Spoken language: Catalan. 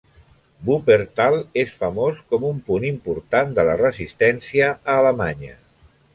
Wuppertal és famós com un punt important de la resistència a Alemanya.